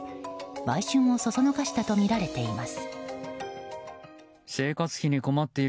売春をそそのかしたとみられています。